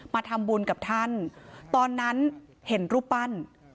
มาทำบุญกับท่านตอนนั้นเห็นรูปปั้น